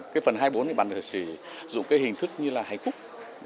nói như vậy có nghĩa là trong cái ca khúc ấy bạn ấy sử dụng cái hình thức như là hài khúc